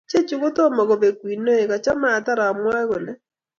chechu kotomo kobek winoik, kachame atar amwae kole